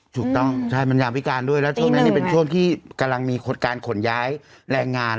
ถูกต้องใช่มันยามพิการด้วยแล้วช่วงนั้นเป็นช่วงที่กำลังมีการขนย้ายแรงงาน